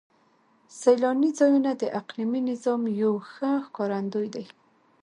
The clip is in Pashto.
سیلاني ځایونه د اقلیمي نظام یو ښه ښکارندوی دی.